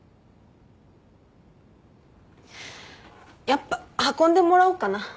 やっぱ運んでもらおうかな。